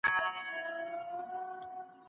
زه اجازه لرم چي ډوډۍ پخه کړم.